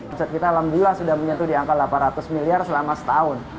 omset kita alhamdulillah sudah menyentuh di angka delapan ratus miliar selama setahun